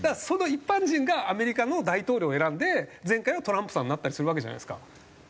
その一般人がアメリカの大統領を選んで前回はトランプさんになったりするわけじゃないですか。